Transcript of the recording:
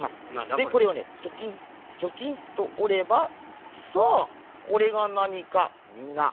でこれをねチョキンチョキンとおればさあこれがなにかみんな「わっか」るかな？